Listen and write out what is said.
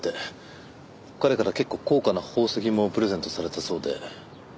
彼から結構高価な宝石もプレゼントされたそうで。